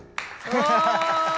ハハハハ！